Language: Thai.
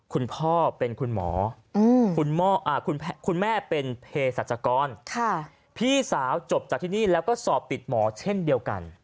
คุณพ่อเป็นคุณหมอคุณแม่เป็นเพศรัชกรพี่สาวจบจากที่นี่แล้วก็สอบติดหมอเช่นเดียวกัน